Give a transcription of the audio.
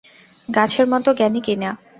গাছের মতো জ্ঞানী কি না।